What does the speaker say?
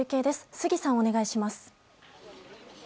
杉さん、お願いします。